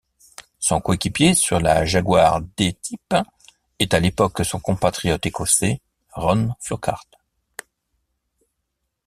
Son coéquipier sur la Jaguar D-Type est à l'époque son compatriote écossais Ron Flockhart.